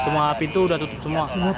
semua pintu sudah tutup semua